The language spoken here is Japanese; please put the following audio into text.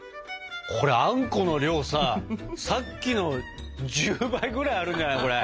これあんこの量ささっきの１０倍ぐらいあるんじゃないこれ。